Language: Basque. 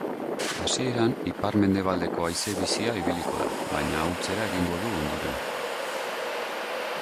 Hasieran ipar-mendebaldeko haize bizia ibiliko da, baina ahultzera egingo du ondoren.